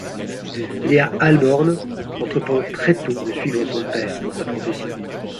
Lea Ahlborn entreprend très tôt de suivre son père dans sa profession.